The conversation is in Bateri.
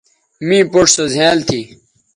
می پوڇ سو زھیائنل تھی